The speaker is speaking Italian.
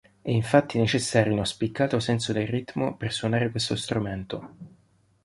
È infatti necessario uno spiccato senso del ritmo per suonare questo strumento.